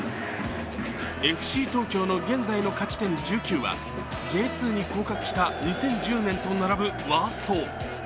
ＦＣ東京の現在の勝ち点１９はＪ２に降格した２０１０年と並ぶワースト。